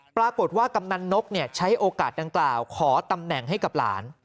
ปรากฏว่ากำนันนกใช้โอกาสต่างขอตำแหน่งให้กับหลาน